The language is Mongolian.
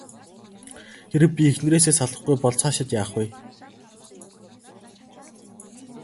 Хэрэв би эхнэрээсээ салахгүй бол цаашид яах вэ?